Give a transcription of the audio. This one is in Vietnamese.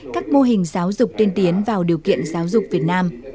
các mô hình giáo dục tiên tiến vào điều kiện giáo dục việt nam